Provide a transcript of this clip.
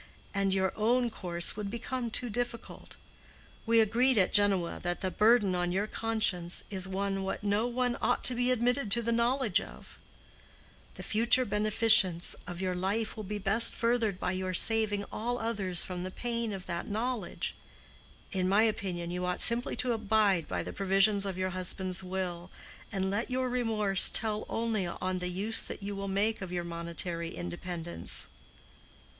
And your own course would become too difficult. We agreed at Genoa that the burden on your conscience is one what no one ought to be admitted to the knowledge of. The future beneficence of your life will be best furthered by your saving all others from the pain of that knowledge. In my opinion you ought simply to abide by the provisions of your husband's will, and let your remorse tell only on the use that you will make of your monetary independence."